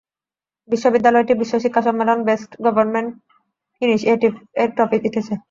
বিশ্ববিদ্যালয়টি বিশ্ব শিক্ষা সম্মেলনে "বেস্ট গভর্নমেন্ট ইনিশিয়েটিভ"-এর ট্রফি জিতেছে।